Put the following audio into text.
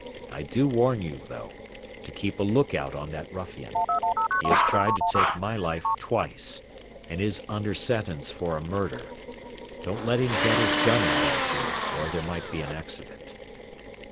I do warn you, though, to keep a lookout on that ruffian. He has tried to take my life twice, and is under sentence for a murder. Don't let him get his gun out at you, or there might be an accident."